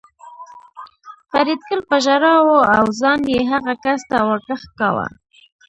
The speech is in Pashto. فریدګل په ژړا و او ځان یې هغه کس ته ور کش کاوه